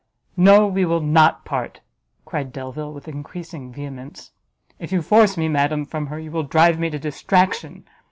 "No, we will not part!" cried Delvile, with encreasing vehemence; "if you force me, madam, from her, you will drive me to distraction!